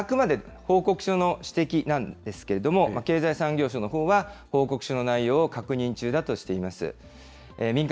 これ、あくまで報告書の指摘なんですけども、経済産業省のほうは、報告書の内容を確認中だとしています。